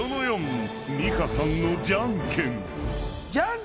［美香さんのじゃんけん］